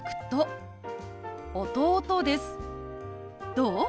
どう？